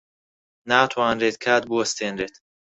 ناتوانرێت کات بوەستێنرێت.